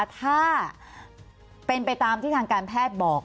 ถ้าเป็นไปตามที่ทางการแพทย์บอก